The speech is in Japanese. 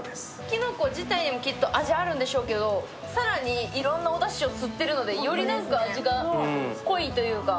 きのこ自体にも、きっと味あるんでしょうけど、更にいろんなおだしを吸っているので、より味が濃いというか。